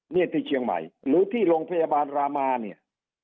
นี่ที่เชียงใหม่หรือที่โรงพยาบาลรามาเนี่ย